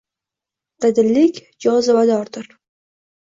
Dadillik jozibadordir.